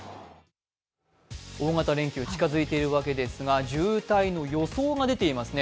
大型連休、近付いているわけですが渋滞の予想が出ていますね。